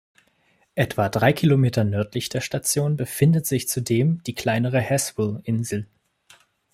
Etwa drei Kilometer nördlich der Station befindet sich zudem die kleinere Haswell-Insel.